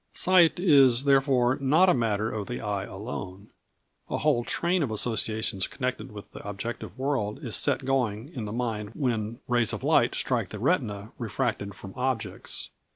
Sight is therefore not a matter of the eye alone. A whole train of associations connected with the objective world is set going in the mind when rays of light strike the retina refracted from objects.